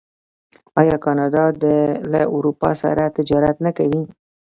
آیا کاناډا له اروپا سره تجارت نه کوي؟